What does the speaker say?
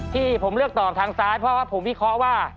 ที่ผมเลือกต่อทางซ้ายเพราะว่า